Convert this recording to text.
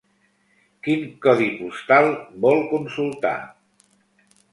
Quin codi postal vol consultar?